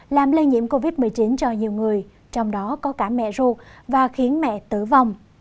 làm lây nhiễm covid một mươi chín cho nhiều người trong đó có cả mẹ ruột và khiến mẹ tử vong